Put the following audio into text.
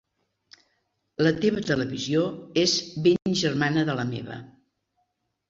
La teva televisió és ben germana de la meva.